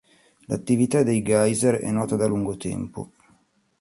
L'attività dei geyser è nota da lungo tempo.